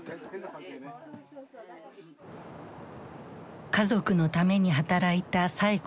家族のために働いたサエ子さん。